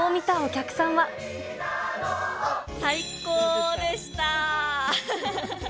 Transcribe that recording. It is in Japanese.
最高でした！